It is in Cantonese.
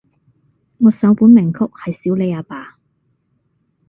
我首本名曲係少理阿爸